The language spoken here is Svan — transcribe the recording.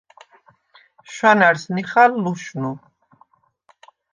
შვანა̈რს ნიხალ ლუშნუ.